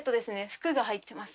服が入ってます。